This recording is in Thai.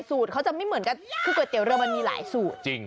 สูตรเขาจะไม่เหมือนกันคือก๋วยเตี๋ยเรือมันมีหลายสูตรจริง